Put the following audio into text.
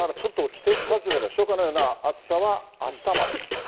季節外れの初夏のような暑さは、あしたまでと。